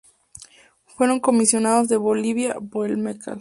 Fueron comisionados de Bolivia por el Mcal.